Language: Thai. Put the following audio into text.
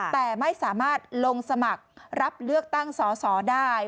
แต่ไม่สามารถลงสมัครรับเลือกตั้งสอสอได้